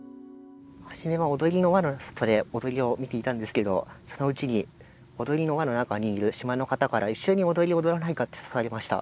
初めは踊りの輪の外で踊りを見ていたんですけどそのうちに踊りの輪の中にいる島の方から一緒に踊りを踊らないかって誘われました。